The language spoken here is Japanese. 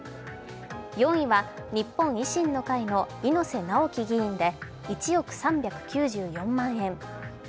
４位は、日本維新の会の猪瀬直樹議員で１億３９４万円。